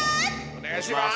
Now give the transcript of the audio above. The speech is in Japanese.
お願いします！